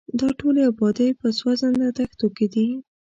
دا ټولې ابادۍ په سوځنده دښتو کې دي.